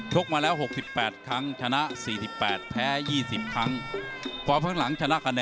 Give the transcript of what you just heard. ชกมาแล้ว๖๘ครั้งชนะ๔๘แพ้๒๐ครั้ง